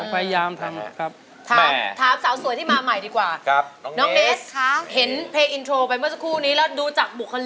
พี่ฟ้าตอนที่ดูวิทยาก็